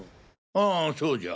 ああそうじゃ。